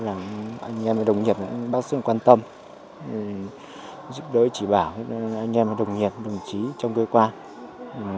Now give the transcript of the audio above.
anh em đồng nghiệp bác sĩ quan tâm giúp đỡ chỉ bảo anh em đồng nghiệp đồng chí trong cơ quan